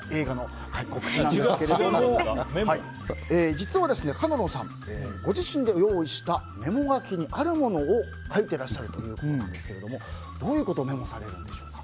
実は、角野さんご自身で用意したメモ書きにあるものを書いてらっしゃるということなんですがどういうことをメモされるんでしょうか？